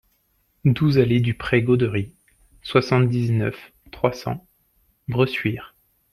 douze allée du Pré Goderie, soixante-dix-neuf, trois cents, Bressuire